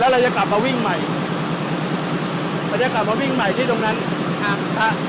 เราจะกลับมาวิ่งใหม่เราจะกลับมาวิ่งใหม่ที่ตรงนั้นหากฮะ